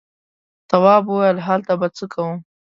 تواب وويل: هلته به څه کوم.